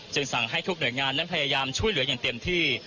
สั่งให้ทุกหน่วยงานนั้นพยายามช่วยเหลืออย่างเต็มที่